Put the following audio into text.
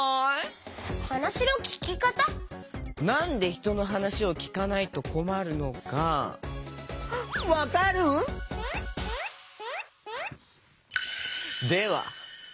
なんでひとのはなしをきかないとこまるのかわかる？では。